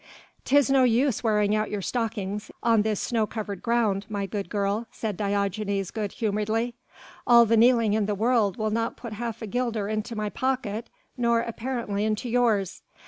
"It's no use wearing out your stockings on this snow covered ground, my good girl," said Diogenes good humouredly. "All the kneeling in the world will not put half a guilder into my pocket nor apparently into yours."